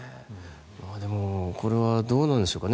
でもこれはどうなんでしょうかね。